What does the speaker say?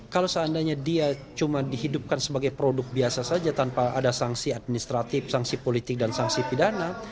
kalau seandainya dia cuma dihidupkan sebagai produk biasa saja tanpa ada sanksi administratif sanksi politik dan sanksi pidana